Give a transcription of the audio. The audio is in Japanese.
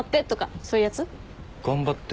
頑張って？